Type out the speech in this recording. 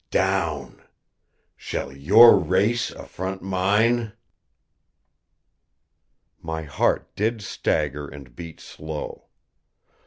Down shall your race affront mine?" My heart did stagger and beat slow.